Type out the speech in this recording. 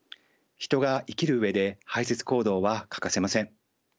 人が生きる上で排泄行動は欠かせません。